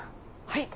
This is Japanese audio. はい。